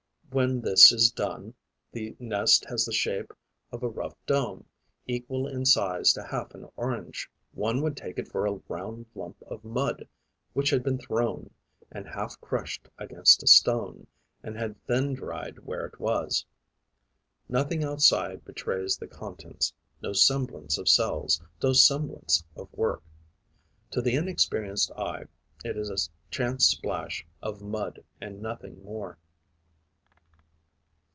When this is done, the nest has the shape of a rough dome, equal in size to half an orange. One would take it for a round lump of mud which had been thrown and half crushed against a stone and had then dried where it was. Nothing outside betrays the contents, no semblance of cells, no semblance of work. To the inexperienced eye, it is a chance splash of mud and nothing more.